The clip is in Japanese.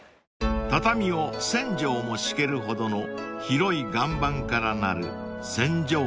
［畳を１，０００畳も敷けるほどの広い岩盤からなる］